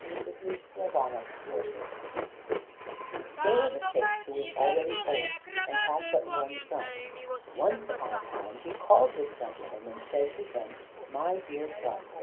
X LONG, BROAD, AND SHARPSIGHT There was a king, who was already old, and had but one son. Once upon a time he called this son to him and said to him: "My dear son!